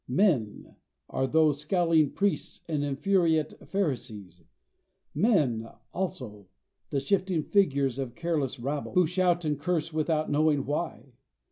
Men are those scowling priests and infuriate Pharisees. Men, also, the shifting figures of the careless rabble, who shout and curse without knowing why.